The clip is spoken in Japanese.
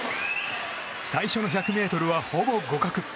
最初の１００ｍはほぼ互角。